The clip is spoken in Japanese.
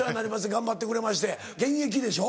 頑張ってくれまして現役でしょ？